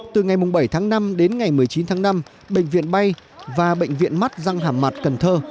từ ngày bảy tháng năm đến ngày một mươi chín tháng năm bệnh viện bay và bệnh viện mắt răng hàm mặt cần thơ